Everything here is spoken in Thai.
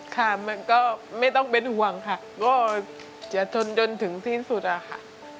ค่ะมันก็ไม่ต้องเป็นห่วงค่ะก็จะทนจนถึงที่สุดอะค่ะ